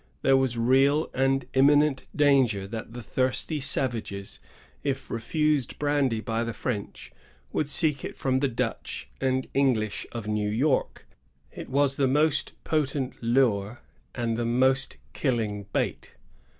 There was real and imminent danger that the thirsty savages, if refused brandy by the French, would seek it from the Dutch and English of New York. It was the most potent lure and the most killing bait.